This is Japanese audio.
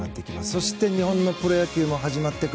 そして、日本のプロ野球も始まっていく。